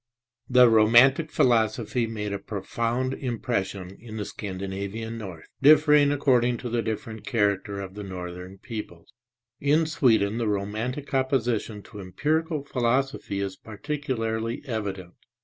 The romantic philosophy made a profound impres sion in the Scandinavian North, differing according to the different character of the northern peoples. In Sweden the romantic opposition to empirical philosophy is particularly evident.